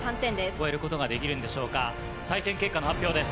超えることができるでしょうか採点結果の発表です。